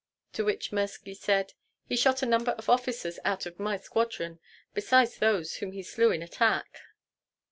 To which Mirski said, "He shot a number of officers out of my squadron, besides those whom he slew in attack."